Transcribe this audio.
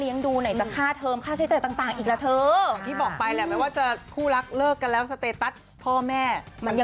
อยู่หัวแถวอยู่หัวแถว